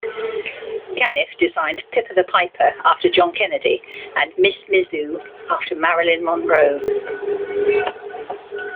Caniff designed Pipper the Piper after John Kennedy and Miss Mizzou after Marilyn Monroe.